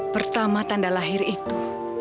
pertama tante lahir itu